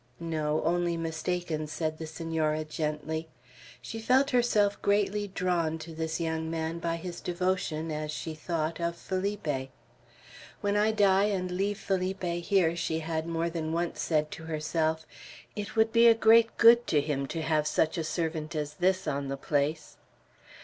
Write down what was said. "No, only mistaken," said the Senora, gently. She felt herself greatly drawn to this young man by his devotion, as she thought, of Felipe. "When I die and leave Felipe here," she had more than once said to herself, "it would be a great good to him to have such a servant as this on the place."